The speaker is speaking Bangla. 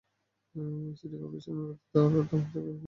সিটি করপোরেশনের বেঁধে দেওয়া দাম থেকেও বেশি দামে পণ্য বিক্রি হচ্ছে।